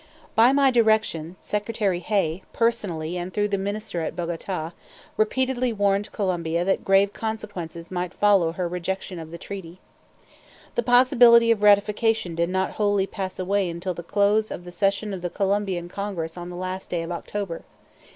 By my direction, Secretary Hay, personally and through the Minister at Bogota, repeatedly warned Colombia that grave consequences might follow her rejection of the treaty. The possibility of ratification did not wholly pass away until the close of the session of the Colombian Congress on the last day of October.